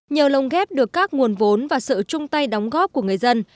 nhờ lồng ghép được các nguồn vốn và sự chung tay đóng góp của người dân